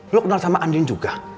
lo kenal sama andin juga